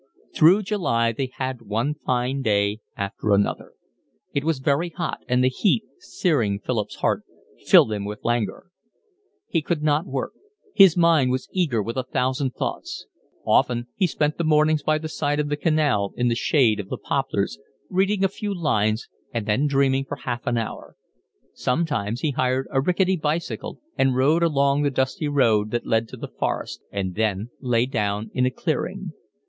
Through July they had one fine day after another; it was very hot; and the heat, searing Philip's heart, filled him with languor; he could not work; his mind was eager with a thousand thoughts. Often he spent the mornings by the side of the canal in the shade of the poplars, reading a few lines and then dreaming for half an hour. Sometimes he hired a rickety bicycle and rode along the dusty road that led to the forest, and then lay down in a clearing.